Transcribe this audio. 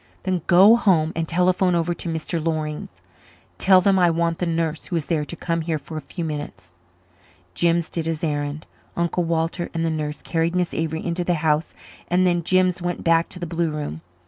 "Then go home and telephone over to Mr. Loring's. Tell them I want the nurse who is there to come here for a few minutes." Jims did his errand. Uncle Walter and the nurse carried Miss Avery into the house and then Jims went back to the blue room.